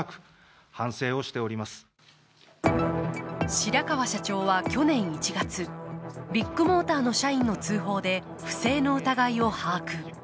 白川社長は去年１月、ビッグモーターの社員の通報で不正の疑いを把握。